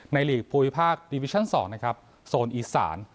หลีกภูมิภาคดีวิชั่น๒นะครับโซนอีสาน